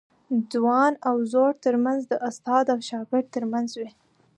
ځوان او زوړ ترمنځ د استاد او شاګرد ترمنځ وي.